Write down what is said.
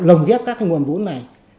lồng ghép các nguồn vốn này